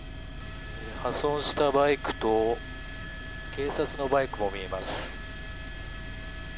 破損したバイクと警察のバイクも見えます。